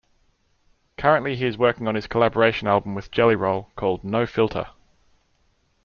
Currently he is working on his collaboration album with JellyRoll called "No Filter".